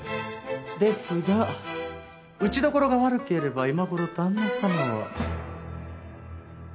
ですが打ちどころが悪ければ今頃旦那様は。